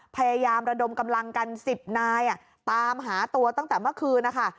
พยายามระดมกำลังกัน๑๐นายตามหาตัวตั้งแต่เมื่อคืนนะคะ